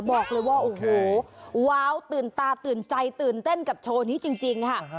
บอกเลยว่าโอ้โหว้าวตื่นตาตื่นใจตื่นเต้นกับโชว์นี้จริงค่ะ